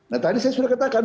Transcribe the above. nah tadi saya sudah katakan